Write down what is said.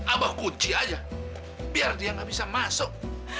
abah kunci aja biar dia nggak bisa masuk